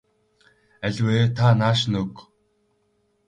Аль вэ та нааш нь өг.